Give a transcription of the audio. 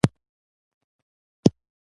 هغه د پیسو په بدل کې سندره ونه ویله